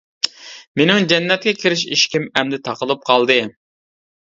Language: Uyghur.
مېنىڭ جەننەتكە كىرىش ئىشىكىم ئەمدى تاقىلىپ قالدى.